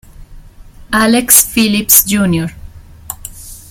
Alex Phillips Jr.